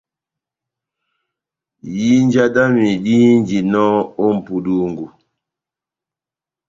Ihinja dámi dihinjinɔ ó mʼpudungu,